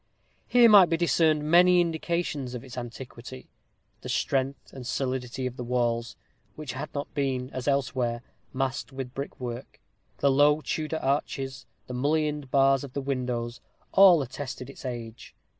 Here might be discerned many indications of its antiquity. The strength and solidity of the walls, which had not been, as elsewhere, masked with brickwork; the low, Tudor arches; the mullioned bars of the windows all attested its age.